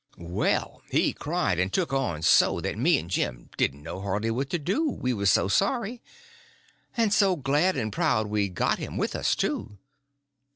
Well, he cried and took on so that me and Jim didn't know hardly what to do, we was so sorry—and so glad and proud we'd got him with us, too.